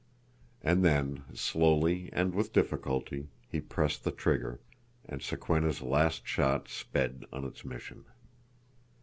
And then, slowly and with difficulty, he pressed the trigger, and Sokwenna's last shot sped on its mission.